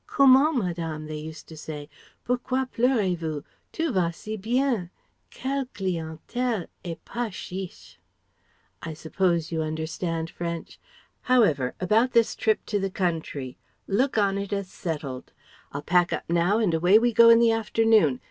'Comment, Madame,' they used to say, 'pourquoi pleurez vous? Tout va si bien! Quelle clientele, et pas chiche' I suppose you understand French? However about this trip to the country, look on it as settled. I'll pack up now and away we go in the afternoon.